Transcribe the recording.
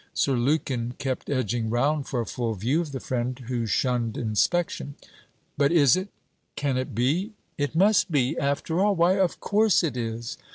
Sir Lukin kept edging round for a full view of the friend who shunned inspection. 'But is it?... can it be? it must be, after all!... why, of course it is!